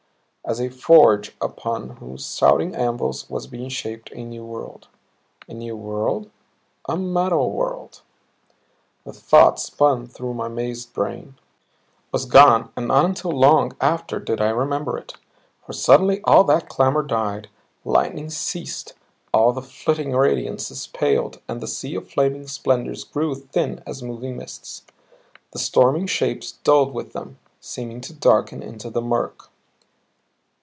As a forge upon whose shouting anvils was being shaped a new world. A new world? A metal world! The thought spun through my mazed brain, was gone and not until long after did I remember it. For suddenly all that clamor died; the lightnings ceased; all the flitting radiances paled and the sea of flaming splendors grew thin as moving mists. The storming shapes dulled with them, seemed to darken into the murk.